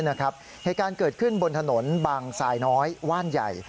เหตุการณ์เกิดขึ้นบนถนนบางสายน้อยว่านใหญ่